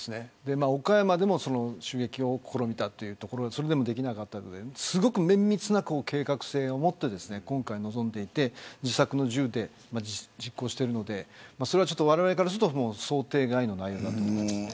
岡山でも襲撃を試みたというところでそれでもできなかったのですごく綿密な計画性をもって今回臨んでいて自作の銃で実行しているのでわれわれからすると想定外の内容だと思います。